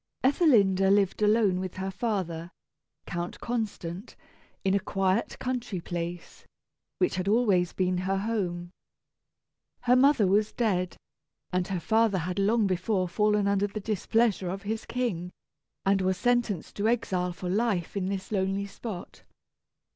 Ethelinda lived alone with her father, Count Constant, in a quiet country place, which had always been her home. Her mother was dead, and her father had long before fallen under the displeasure of his king, and was sentenced to exile for life in this lonely spot.